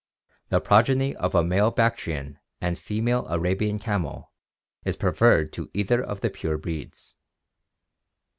The progeny of a male Bactrian and fe male Arabian camel is preferred to either of the pure breeds.